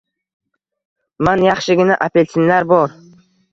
Man, yaxshigina apelsinlar bor